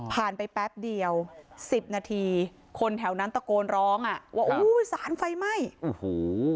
ไปแป๊บเดียวสิบนาทีคนแถวนั้นตะโกนร้องอ่ะว่าอุ้ยสารไฟไหม้โอ้โห